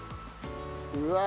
うわ！